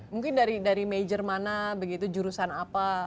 mungkin dari major mana begitu jurusan apa